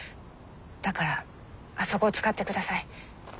だからあそこを使ってください。